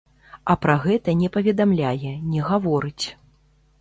А пра гэта не паведамляе, не гаворыць.